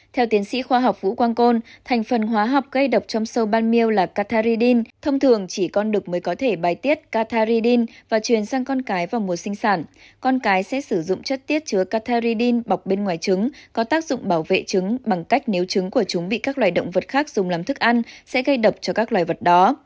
theo tiến sĩ khoa học vũ quang côn thành phần hóa học gây độc trong sâu banmu là catharyn thông thường chỉ con đực mới có thể bài tiết catharyn và truyền sang con cái vào mùa sinh sản con cái sẽ sử dụng chất tiết chứa catherin bọc bên ngoài trứng có tác dụng bảo vệ trứng bằng cách nếu trứng của chúng bị các loài động vật khác dùng làm thức ăn sẽ gây đập cho các loài vật đó